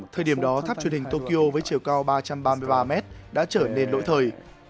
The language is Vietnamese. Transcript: thời điểm đó tháp truyền hình tokyo với chiều cao ba trăm ba mươi ba m đã trở nên lỗi thời